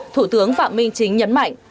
thủ tướng phạm minh chính nhấn mạnh